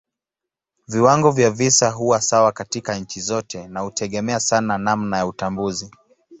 Viwango vya visa huwa sawa katika nchi zote na hutegemea sana namna ya utambuzi.